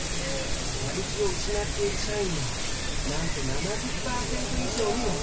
やる気を失っている社員はなんと７０％以上に上る。